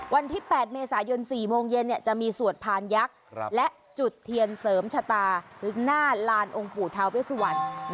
วันที่๘เมษายน๔โมงเย็นจะมีสวดพานยักษ์และจุดเทียนเสริมชะตาหน้าลานองค์ปู่ทาเวสวัน